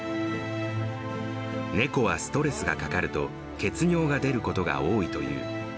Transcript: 猫はストレスがかかると、血尿が出ることが多いという。